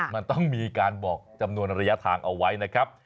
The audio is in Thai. มันต้องมีการบอกจำนวนระยะทางเอาไว้นะครับ